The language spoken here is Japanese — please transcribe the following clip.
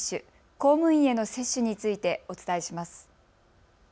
公務員への接種についてお伝えします。